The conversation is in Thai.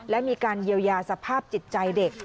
และมีการเยียวยาสภาพจิตใจเด็ก